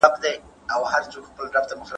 د دیني اصولو له مخې ځینې فعالیتونه ممنوع سوي دي.